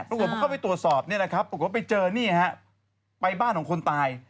แล้วก็เค้าเข้าไปตัวสอบที่เจองานพาวอ่านไปบ้านของคุณตาย